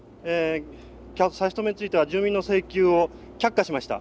差し止めについては住民の請求を却下しました。